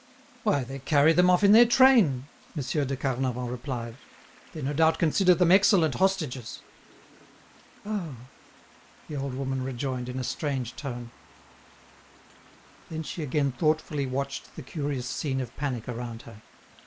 "Why, they carry them off in their train," Monsieur de Carnavant replied. "They no doubt consider them excellent hostages." "Ah!" the old woman rejoined, in a strange tone. Then she again thoughtfully watched the curious scene of panic around her.